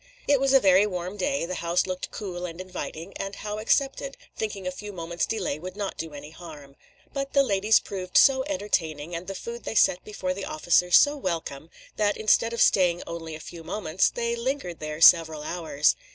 It was a very warm day, the house looked cool and inviting, and Howe accepted, thinking a few moments' delay would not do any harm. But the ladies proved so entertaining, and the food they set before the officers so welcome, that instead of staying only a few moments, they lingered there several hours.